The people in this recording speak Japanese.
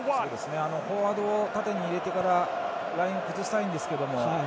フォワードを縦に入れてからラインを崩したいんですけれども